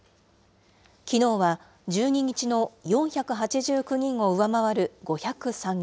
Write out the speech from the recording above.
きのうは１２日の４８９人を上回る５０３人。